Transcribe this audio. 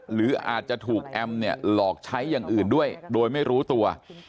หรืออาจจะถูกแอมเนี่ยหลอกใช้อย่างอื่นด้วยโดยไม่รู้ตัว